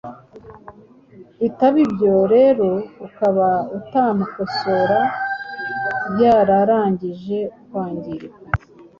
bitaba ibyo rero ukaba utamukosora yararangije kwangirika.